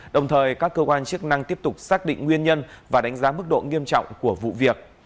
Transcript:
đồng thời các cơ quan chức năng tiếp tục xác định nguyên nhân và đánh giá mức độ nghiêm trọng của vụ việc